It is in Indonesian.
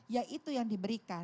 ya itu yang diberikan